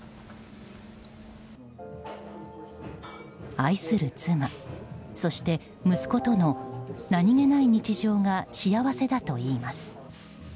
愛する妻、そして息子との何気ない日常が幸せだといいます。